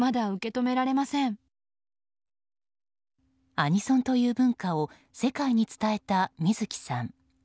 アニソンという文化を世界に伝えた水木さん。